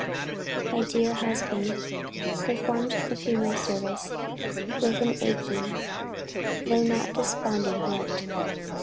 My dear husband performed the funeral service with an aching, though not desponding heart.